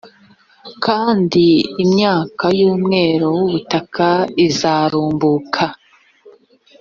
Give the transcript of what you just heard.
kandi imyaka y umwero w ubutaka izarumbuka